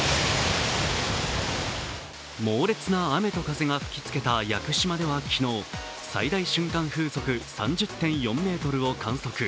猛烈な雨と風が吹きつけた屋久島では昨日、最大瞬間風速３０．４メートルを観測。